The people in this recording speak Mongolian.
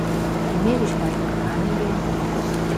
Тийм ээ гэж ноён Каннингем өгүүлэв.